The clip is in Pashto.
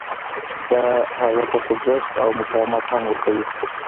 دا هغه ته خوځښت او مقاومت هم ورکوي